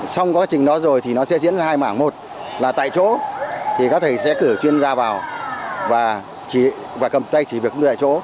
xong quá trình đó rồi thì nó sẽ diễn ra hai mảng một là tại chỗ thì các thầy sẽ cử chuyên gia vào và cầm tay chỉ việc tại chỗ